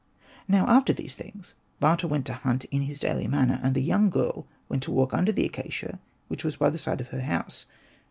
Now after these things Bata went to hunt in his daily manner. And the young girl went to walk under the acacia which was by the side of her house.